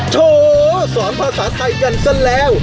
โถสอนภาษาไทยกันซะแล้ว